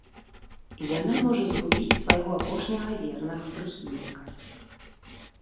Яна можа згубіць свайго апошняга вернага прыхільніка.